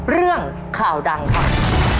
เรื่องข่าวดังครับ